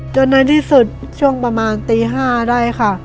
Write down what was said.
จนในที่สุดช่วงประมาณตี๕ได้ค่ะ